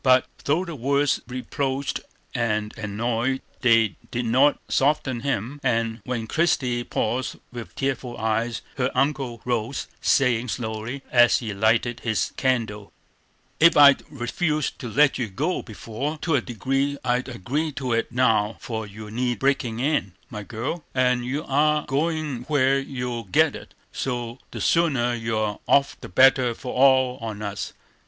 But though the words reproached and annoyed, they did not soften him, and when Christie paused with tearful eyes, her uncle rose, saying, slowly, as he lighted his candle: "Ef I'd refused to let you go before, I'd agree to it now; for you need breakin' in, my girl, and you are goin' where you'll get it, so the sooner you're off the better for all on us.